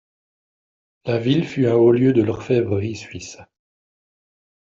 La ville fut un haut lieu de l’orfèvrerie suisse.